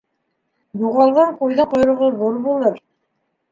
Юғалған ҡуйҙың ҡойроғо ҙур булыр.